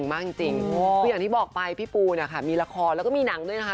มีละครและมีหนังด้วยนะคะ